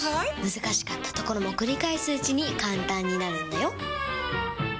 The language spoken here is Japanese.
難しかったところも繰り返すうちに簡単になるんだよ！